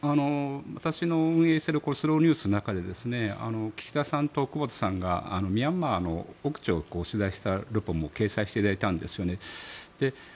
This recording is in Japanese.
私の運営しているスローニュースの中で岸田さんと久保田さんがミャンマーの奥地を取材していた様子も掲載されていたんですね。